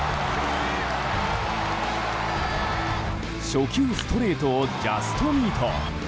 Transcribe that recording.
初球ストレートをジャストミート！